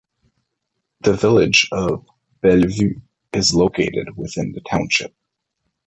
The Village of Bellevue is located within the township.